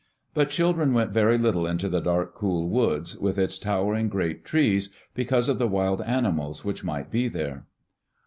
But children went very little into the dark, cool woods, with its tower ing great trees, because of the wild animals which might be there.